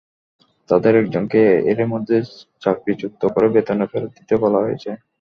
তাঁদের একজনকে এরই মধ্যে চাকরিচ্যুত করে বেতনের ফেরত দিতে বলা হয়েছে।